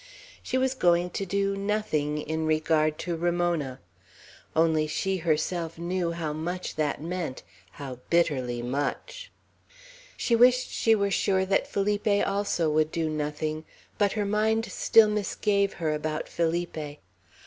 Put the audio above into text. She was going to do "nothing" in regard to Ramona. Only she herself knew how much that meant; how bitterly much! She wished she were sure that Felipe also would do "nothing;" but her mind still misgave her about Felipe.